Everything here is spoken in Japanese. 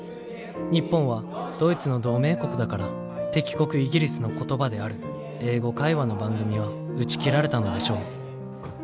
日本はドイツの同盟国だから敵国イギリスの言葉である英語会話の番組は打ち切られたのでしょう。